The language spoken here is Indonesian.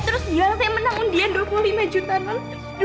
terus dia langsung menangun dia dua puluh lima juta non